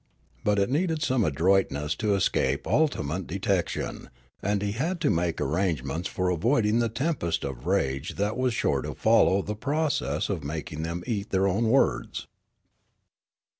But it needed some adroitness to escape ultimate detection, and he had to make arrangements for avoiding the tempest of rage that was sure to follow the process of making them eat their own words.